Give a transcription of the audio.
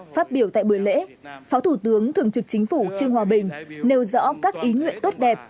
phát biểu tại buổi lễ phó thủ tướng thường trực chính phủ trương hòa bình nêu rõ các ý nguyện tốt đẹp